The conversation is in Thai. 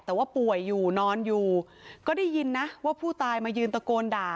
แต่ว่าป่วยอยู่นอนอยู่ก็ได้ยินนะว่าผู้ตายมายืนตะโกนด่า